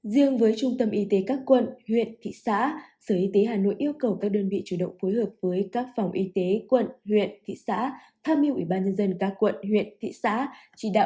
riêng với trung tâm y tế các quận huyện thị xã sở y tế hà nội yêu cầu các đơn vị chủ động phối hợp với các phòng y tế quận huyện thị xã tham mưu ủy ban nhân dân các quận huyện thị xã